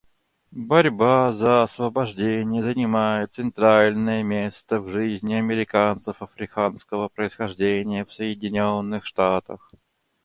Борьба за освобождение занимает центральное место в жизни американцев африканского происхождения в Соединенных Штатах.